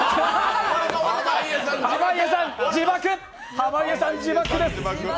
濱家さん、自爆です。